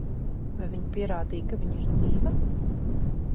Vai viņi pierādīja, ka viņa ir dzīva?